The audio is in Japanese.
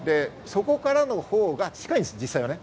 そこからのほうが近いんです、実際はね。